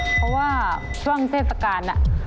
เพราะว่าช่วงเทศกาลน่ะ